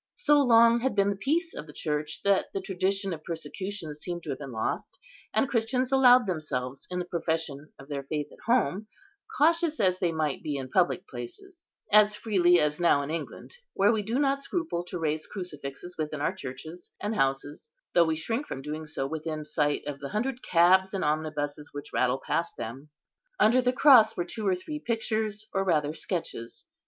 So long had been the peace of the Church, that the tradition of persecution seemed to have been lost; and Christians allowed themselves in the profession of their faith at home, cautious as they might be in public places; as freely as now in England, where we do not scruple to raise crucifixes within our churches and houses, though we shrink from doing so within sight of the hundred cabs and omnibuses which rattle past them. Under the cross were two or three pictures, or rather sketches.